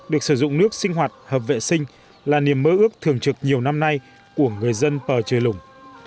được sử dụng nước sinh hoạt hợp vệ sinh là niềm mơ ước thường trực nhiều năm nay của người dân pờ trời lùng